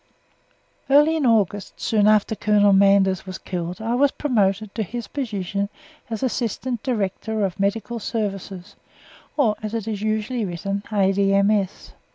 Early in August, soon after Colonel Manders was killed, I was promoted to his position as Assistant Director of Medical Services, or, as it is usually written, A.D.M.S.